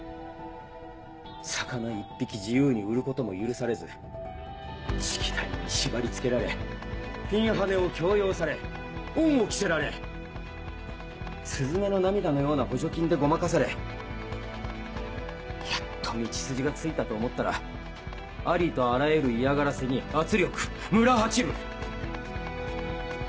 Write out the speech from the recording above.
魚一匹自由に売ることも許されずしきたりに縛り付けられピンハネを強要され恩を着せられすずめの涙のような補助金でごまかされやっと道筋がついたと思ったらありとあらゆる嫌がらせに圧力村八分！